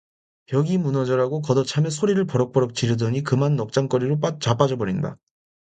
벽이 무너져라고 걷어차며 소리를 버럭버럭 지르더니 그만 넉장거리로 자빠져 버린다.